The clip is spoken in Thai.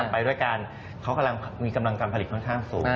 ไปด้วยกันเขากำลังมีกำลังการผลิตค่อนข้างสูง